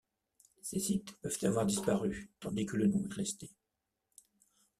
Ces sites peuvent avoir disparu tandis que le nom est resté.